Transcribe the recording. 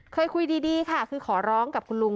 เคยคุยดีค่ะคือขอร้องกับคุณลุง